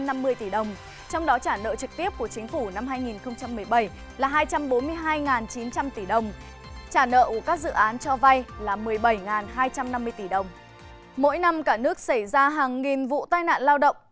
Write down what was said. mỗi năm cả nước xảy ra hàng nghìn vụ tai nạn lao động